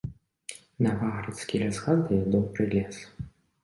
Наваградскі лясгас дае добры лес.